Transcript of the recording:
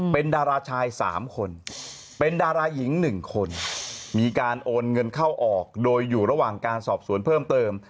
เป็นดาราชาย๓คนเป็นดาราหญิง๑คนมีการโอนเงินเข้าออกโดยอยู่ระหว่างการสอบสวนเพิ่มเติม